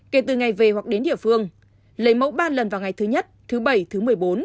kể từ ngày về hoặc đến địa phương lấy mẫu ba lần vào ngày thứ nhất thứ bảy thứ một mươi bốn